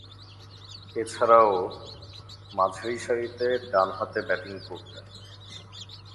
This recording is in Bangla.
এছাড়াও, মাঝারিসারিতে ডানহাতে ব্যাটিং করতেন।